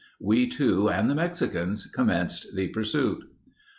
We two and the Mexicans ... commenced the pursuit."